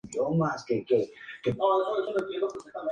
La cubierta es a doble vertiente.